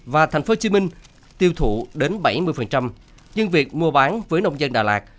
và tp hcm tiêu thụ đến bảy mươi nhưng việc mua bán với nông dân đà lạt